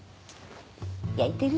焼いてる？